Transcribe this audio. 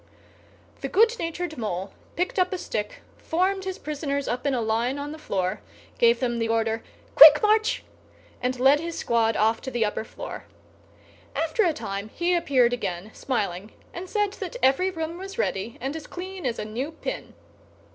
The goodnatured Mole picked up a stick, formed his prisoners up in a line on the floor, gave them the order "Quick march!" and led his squad off to the upper floor. After a time, he appeared again, smiling, and said that every room was ready, and as clean as a new pin.